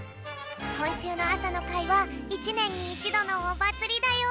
こんしゅうのあさのかいは１ねんに１どのおまつりだよ！